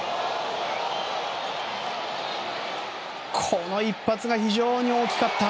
この一発が非常に大きかった。